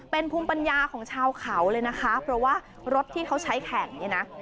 เป็นภูมิปัญญาของชาวเขาเลยนะคะเพราะว่ารถที่เขาใช้แข่งเนี่ยนะ